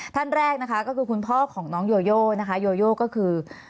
ท่านแรกนะคะก็คือคุณพ่อของน้องโยโยนะคะโยโยก็คือ